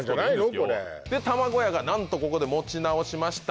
これで玉子屋がなんとここで持ち直しました